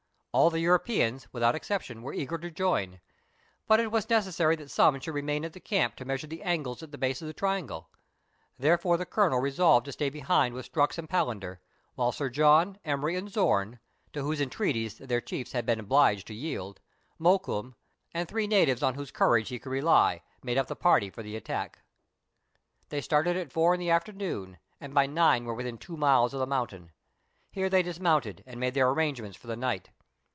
All the Europeans, with out exception, were eager to join, but it was necessary that some should remain at the camp to measure the angles at the base of the triangle, therefore the Colonel resolved to stay behind with Strux and Palander, while Sir John, Emery, and Zorn (to whose entreaties their chiefs had been obliged to yield), Mokoum, and three natives on whose courage he could rely, made up the party for the attack. They started at four in the afternoon, and by nine were within two miles of the mountain. Here they dismounted, and made their arrangements for the night.